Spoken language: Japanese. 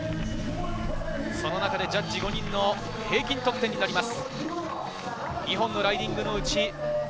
ジャッジ５人の平均得点になります。